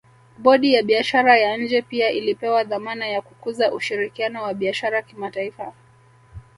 Bodi ya Biashara ya nje pia ilipewa dhamana ya kukuza ushirikiano wa biashara kimataifa